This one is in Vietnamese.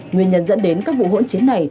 nguyên nhân dẫn đến các vụ hỗn chiến này